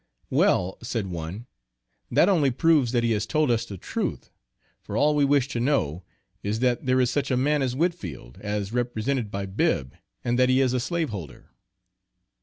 "Well," said one, "that only proves that he has told us the truth; for all we wish to know, is that there is such a man as Whitfield, as represented by Bibb, and that he is a slave holder."